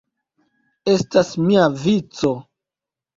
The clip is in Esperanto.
Estas mia vico!